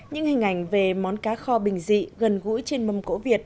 những hình ảnh về món cá kho bình dị gần gũi trên mâm cỗ việt